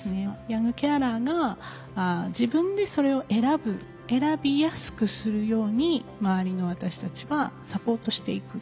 ヤングケアラーが自分でそれを選ぶ選びやすくするように周りの私たちはサポートしていく。